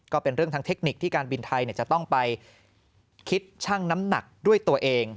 ก็เป็นเรื่องทางเทคนิคที่การบินไทยจะต้องไปคิดช่างน้ำหนักด้วยตัวเอง